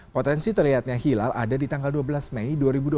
potensi terlihatnya hilal ada di tanggal dua belas mei dua ribu dua puluh